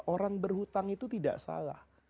orang berhutang itu tidak salah